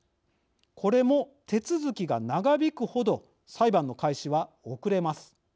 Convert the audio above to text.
これも手続きが長引くほど裁判の開始は遅れます。